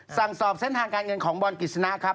สั่งสอบเส้นทางการเงินของบอลกฤษณะครับ